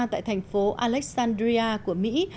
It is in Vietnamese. tại thành phố alexandria của mỹ